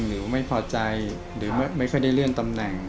หรือไม่พอใจหรือไม่ค่อยได้เลื่อนตำแหน่ง